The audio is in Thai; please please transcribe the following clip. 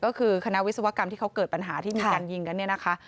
ก็คือคณะวิศวกรรมที่เขาเกิดปัญหาที่มีการยิงกันเนี่ยนะคะ